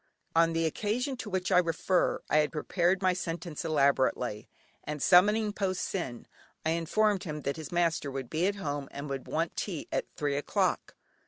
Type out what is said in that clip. On the occasion to which I refer, I had prepared my sentence elaborately, and summoning Po Sin, I informed him that his master would be at home and would want tea at three o'clock.